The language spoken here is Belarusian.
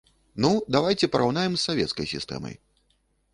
Ну, давайце параўнаем з савецкай сістэмай.